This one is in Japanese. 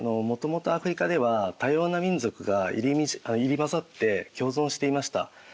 もともとアフリカでは多様な民族が入り混ざって共存していました。